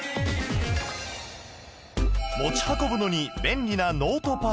持ち運ぶのに便利なノートパソコン